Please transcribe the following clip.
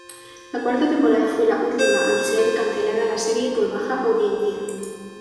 La cuarta temporada fue la última al ser cancelada la serie por baja audiencia.